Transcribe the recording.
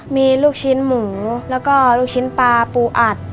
มีลูกชิ้นหมูแล้วก็ลูกชิ้นปลาปูอัด